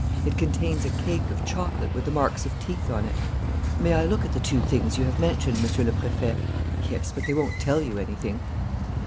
It contains a cake of chocolate with the marks of teeth on it." "May I look at the two things you have mentioned, Monsieur le Préfet?" "Yes, but they won't tell you anything."